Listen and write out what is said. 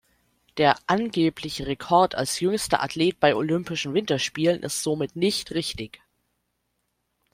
Der angebliche Rekord als jüngster Athlet bei Olympischen Winterspielen ist somit nicht richtig.